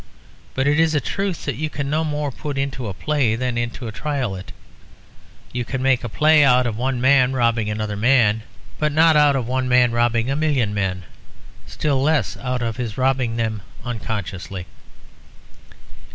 But it is a truth that you can no more put into a play than into a triolet. You can make a play out of one man robbing another man, but not out of one man robbing a million men; still less out of his robbing them unconsciously.